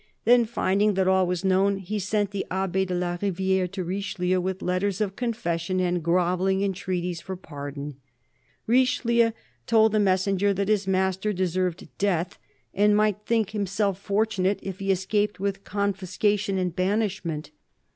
Then, finding that 288 CARDINAL DE RICHELIEU all was known, he sent the Abbd de la Riviere to Richelieu with letters of confession and grovelling entreaties for pardon. Richelieu told the messenger that his master deserved death, and might think himself fortunate if he escaped with confiscation and banishment.